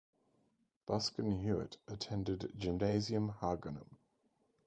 Busken Huet attended Gymnasium Haganum.